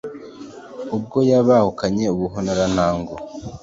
ubwo yahabukanye i buhonora ntango.